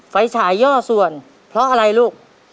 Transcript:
ไฟฉายย่อส่วนเพราะอะไรลูก